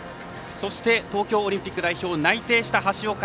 東京オリンピック代表内定した橋岡。